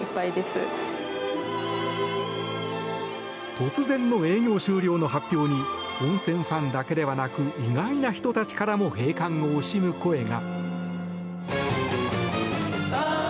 突然の営業終了の発表に温泉ファンだけではなく意外な人たちからも閉館を惜しむ声が。